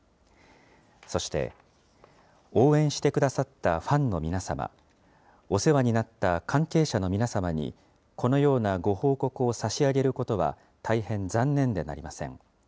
そして、応援してくださったファンの皆様、お世話になった関係者の皆様にこのようなご報告を差し上げることは大変残念でなりません。